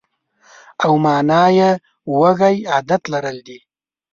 او مانا یې وږی عادت لرل دي.